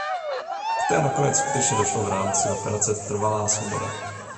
K té nakonec skutečně došlo v rámci Operace Trvalá svoboda.